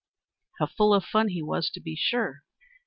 How full of fun he was, to be sure!